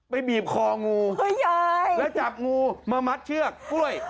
ไปบีบคองงูเฮ้ยยายแล้วจับงูมามัดเชือกกล้วย